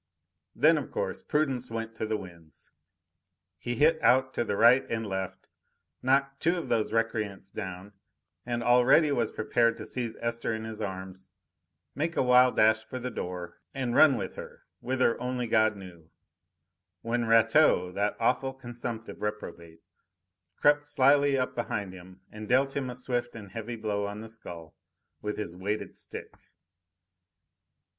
Then, of course, prudence went to the winds. He hit out to the right and left. Knocked two of those recreants down, and already was prepared to seize Esther in his arms, make a wild dash for the door, and run with her, whither only God knew, when Rateau, that awful consumptive reprobate, crept slyly up behind him and dealt him a swift and heavy blow on the skull with his weighted stick.